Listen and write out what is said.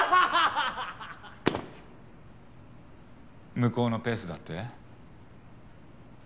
向こうのペースだって？